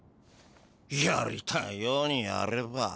やりたいようにやればあ。